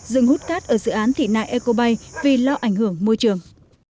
dừng hút cát ở dự án thị nại ecobay vì lo ảnh hưởng môi trường